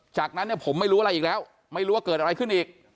จากนั้นเนี่ยผมไม่รู้อะไรอีกแล้วไม่รู้ว่าเกิดอะไรขึ้นอีก